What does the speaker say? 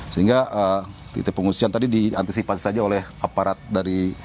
sehingga titik pengungsian tadi diantisipasi saja oleh aparat dari